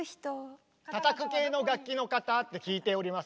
叩く系の楽器の方？って聞いております。